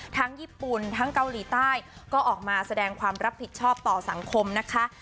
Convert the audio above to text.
ญี่ปุ่นทั้งเกาหลีใต้ก็ออกมาแสดงความรับผิดชอบต่อสังคมนะคะ